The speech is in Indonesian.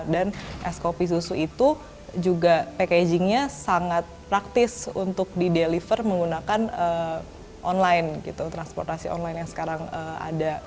dan es kopi susu itu juga packagingnya sangat praktis untuk dideliver menggunakan online gitu transportasi online yang sekarang ada